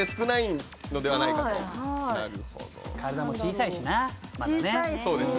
体も小さいしな。